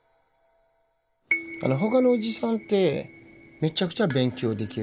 他のおじさんってめちゃくちゃ勉強できる。